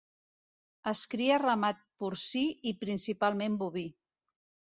Es cria ramat porcí i principalment boví.